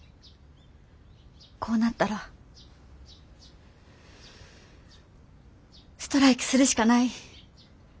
こうなったらストライキするしかない。